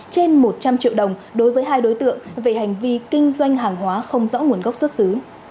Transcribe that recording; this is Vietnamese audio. trên một trăm linh triệu đồng đối với hai đối tượng về hành vi kinh doanh hàng hóa không rõ nguồn gốc xuất xứ